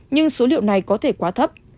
nhưng số liệu này có thể quá thấp